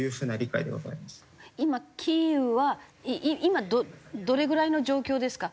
今キーウは今どれぐらいの状況ですか？